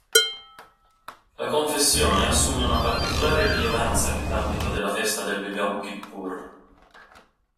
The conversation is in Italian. La confessione assume una particolare rilevanza nell'ambito della festa dello Yom Kippur.